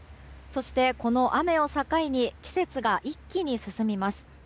そして、この雨を境に季節が一気に進みます。